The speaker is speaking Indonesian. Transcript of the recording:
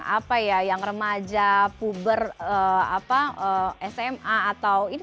apa ya yang remaja puber sma atau